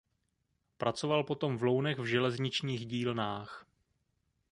Pracoval potom v Lounech v železničních dílnách.